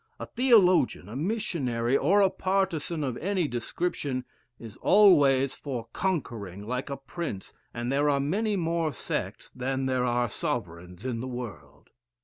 A theologian, a missionary, or a partisan of any description, is always for conquering like a prince, and there are many more sects than there are sovereigns in the world.